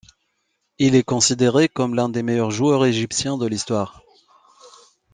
Il est considéré comme l'un des meilleurs joueurs égyptiens de l'histoire.